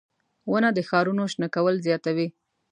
• ونه د ښارونو شنه کول زیاتوي.